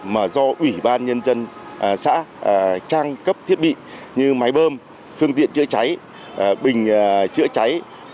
mà do ủy ban nhân dân xã trang cấp thiết bị như máy bơm phương tiện chữa cháy bình chữa cháy